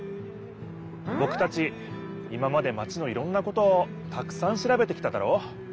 ぼくたち今までマチのいろんなことをたくさんしらべてきただろ。